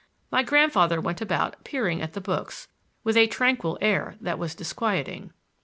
My grandfather went about peering at the books, with a tranquil air that was disquieting.